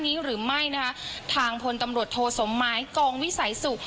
ตอนนี้หรือไม่ทางพลตำรวจโทศมไม้กองวิสัยสุข